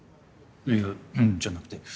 いや「うん」じゃなくて。